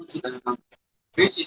sudah memang krisis